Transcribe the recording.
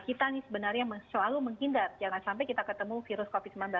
kita nih sebenarnya selalu menghindar jangan sampai kita ketemu virus covid sembilan belas